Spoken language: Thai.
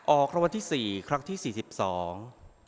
ออกรางวัลที่สี่ครั้งที่สี่สิบสอง